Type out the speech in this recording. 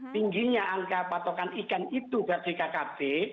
tingginya angka patokan ikan itu berarti kkp